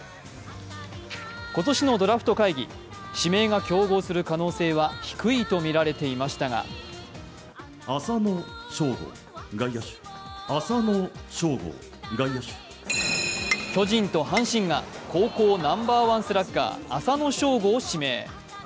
今年のドラフト会議、指名が競合する可能性は低いとみられていましたが巨人と阪神が高校生ナンバーワンスラッガー浅野翔吾を指名。